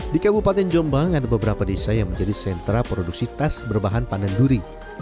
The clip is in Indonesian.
di kabupaten jombang ada beberapa desa yang menjadi sentra produksi tas berbahan pandan duri